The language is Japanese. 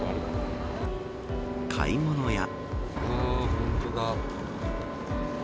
買い物や。